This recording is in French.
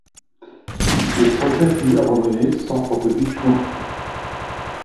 Le projet fut abandonné sans prototype construit.